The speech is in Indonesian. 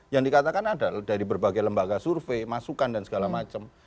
yang dikatakan adalah dari berbagai lembaga survei masukan dan segala macam